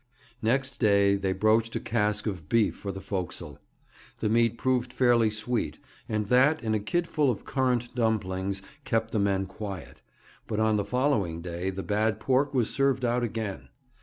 Next day they broached a cask of beef for the forecastle. The meat proved fairly sweet, and that and a kidful of currant dumplings kept the men quiet. But on the following day the bad pork was served out again.